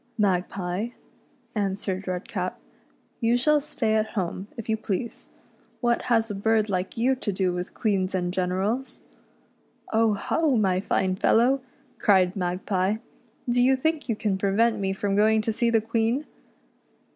" Magpie," answered Redcap, " you shall stay at home, if you please. What has a bird like you to do with queens and generals !"" Oh, ho, my fine fellow," cried Magpie, " do you think you can prevent me from going to see the Queen.